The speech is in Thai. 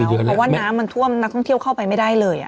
กี่เดือนแล้วเพราะว่าน้ำมันท่วมนักท่องเที่ยวเข้าไปไม่ได้เลยอ่ะ